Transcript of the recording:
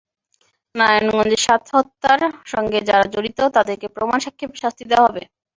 নারায়ণগঞ্জের সাত হত্যার সঙ্গে যারা জড়িত, তাদেরকে প্রমাণ সাপেক্ষে শাস্তি দেওয়া হবে।